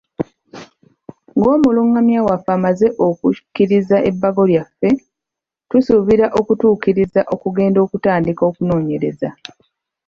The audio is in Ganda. Ng'omulungamya waffe amaze okukkiriza ebbago lyaffe, tusuubira okutukkiriza okugenda okutandika okunoonyereza.